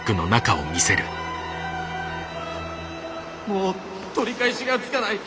もう取り返しがつかない！